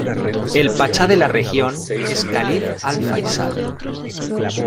El pachá de la región es Khalid al-Faisal.